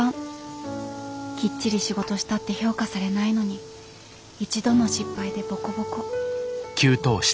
きっちり仕事したって評価されないのに一度の失敗でボコボコ。